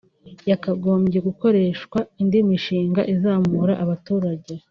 yakagombye gukoreshwa indi mishinga izamura abaturage